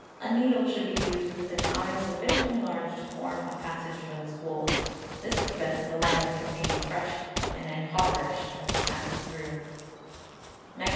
a needle should be used with an eye sufficiently large to form a passage for this wool. This prevents the latter from being crushed and impoverished as it passes through. 1911.